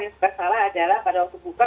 yang sebesar adalah pada waktu buka